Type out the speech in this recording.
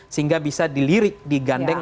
sehingga bisa dilirik digandeng